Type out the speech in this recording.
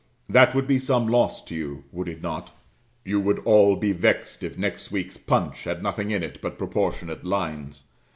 That would be some loss to you; would it not? You would all be vexed if next week's Punch had nothing in it but proportionate lines.